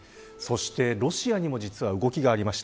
そしてロシアにも実は動きがありました。